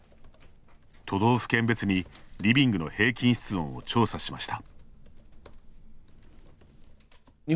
都道府県別にリビングの平均室温を調査しました。